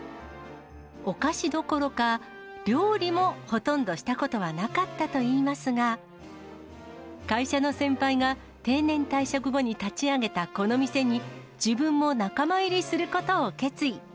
お菓子どころか、料理もほとんどしたことはなかったといいますが、会社の先輩が、定年退職後に立ち上げたこの店に、自分も仲間入りすることを決意。